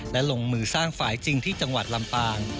และลงมือสร้างฝ่ายจริงที่จังหวัดลำปาง